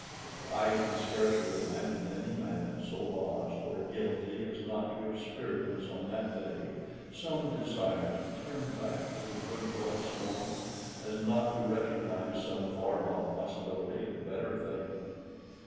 I can scarcely imagine any man so lost or guilty as not to experience on that day some desire to turn back to the good once more, as not to recognise some far off possibility of better things.